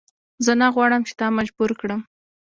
زه نه غواړم چې تا مجبور کړم.